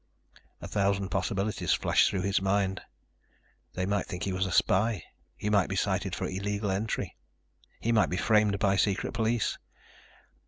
A thousand possibilities flashed through his mind. They might think he was a spy. He might be cited for illegal entry. He might be framed by secret police.